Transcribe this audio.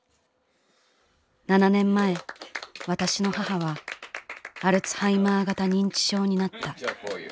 ７年前私の母はアルツハイマー型認知症になった」。